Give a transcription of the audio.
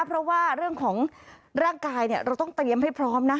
เพราะว่าเรื่องของร่างกายเราต้องเตรียมให้พร้อมนะ